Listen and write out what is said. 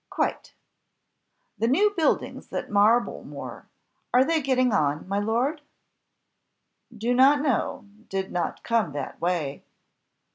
"Quite." "The new buildings at Marblemore are they getting on, my Lord?" "Do not know; did not come that way."